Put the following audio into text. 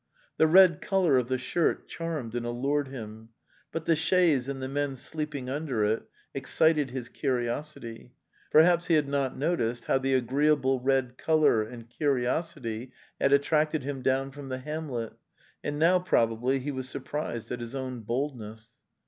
'The red colour of the shirt charmed and allured him. But the chaise and the men sleeping under it excited his curiosity; per haps he had not noticed how the agreeable red col our and curiosity had attracted him down from the hamlet, and now probably he was surprised at his own boldness.